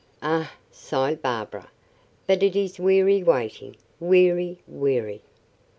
"Ah," sighed Barbara, "but it is weary waiting weary, weary."